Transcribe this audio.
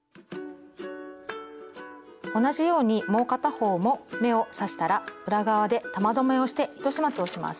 同じようにもう片方も目を刺したら裏側で玉留めをして糸始末をします。